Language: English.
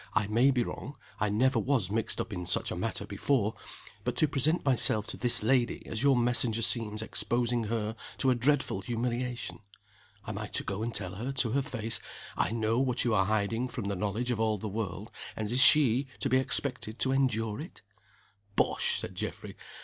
I may be wrong I never was mixed up in such a matter before but to present myself to this lady as your messenger seems exposing her to a dreadful humiliation. Am I to go and tell her to her face: 'I know what you are hiding from the knowledge of all the world;' and is she to be expected to endure it?" "Bosh!" said Geoffrey.